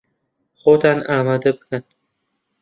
خۆتان ئامادە بکەن!